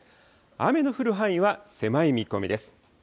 雨の降る範囲は狭い見込みです。